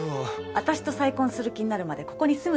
私と再婚する気になるまでここに住むつもり。